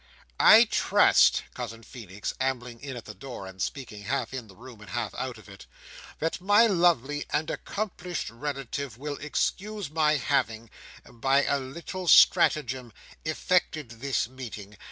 "I trust," said Cousin Feenix, ambling in at the door, and speaking, half in the room, and half out of it, "that my lovely and accomplished relative will excuse my having, by a little stratagem, effected this meeting.